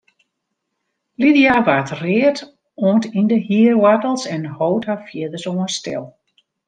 Lydia waard read oant yn de hierwoartels en hold har fierdersoan stil.